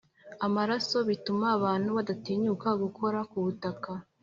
amaraso Bituma abantu badatinyuka gukora ku butaka